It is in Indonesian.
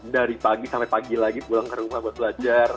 dari pagi sampai pagi lagi pulang ke rumah buat belajar